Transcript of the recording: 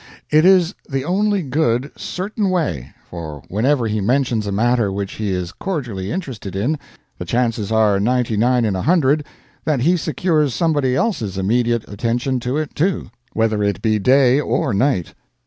It is the only good, certain way, for whenever he mentions a matter which he is cordially interested in, the chances are ninety nine in a hundred that he secures somebody else's immediate attention to it too, whether it be day or night.